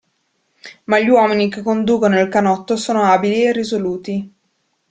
Ma gli uomini che conducono il canotto sono abili e risoluti.